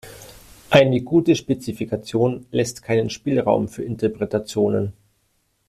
Eine gute Spezifikation lässt keinen Spielraum für Interpretationen.